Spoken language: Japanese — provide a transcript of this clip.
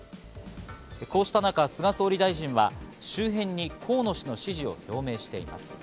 こうした中、菅総理大臣は周辺に河野氏の支持を表明しています。